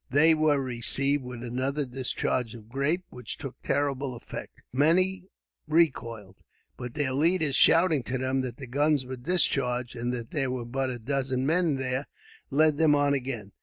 They were received with another discharge of grape, which took terrible effect. Many recoiled, but their leaders, shouting to them that the guns were discharged, and there were but a dozen men there, led them on again.